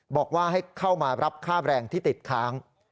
บอกว่าให้เข้ามารับค่าแบรนด์ที่ติดค้าง